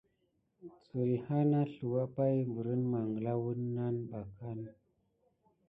Səlhâ nà sluwà pay berine manla wuna ɓa kan si tadane apay kisia.